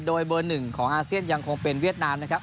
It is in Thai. โดยเบอร์๑ของอาเซียนยังคงเป็นเวียดนามนะครับ